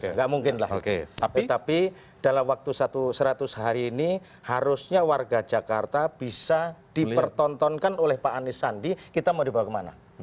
nggak mungkin lah tapi dalam waktu satu seratus hari ini harusnya warga jakarta bisa dipertontonkan oleh pak anies sandi kita mau dibawa kemana